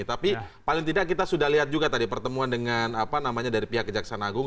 tapi paling tidak kita sudah lihat juga tadi pertemuan dengan apa namanya dari pihak kejaksaan agung